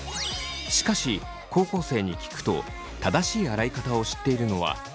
しかし高校生に聞くと正しい洗い方を知っているのは２６％。